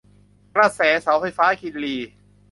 กระแสเสาไฟฟ้ากินรี